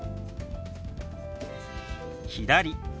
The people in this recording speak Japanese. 「左」。